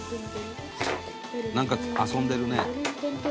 「なんか遊んでるね」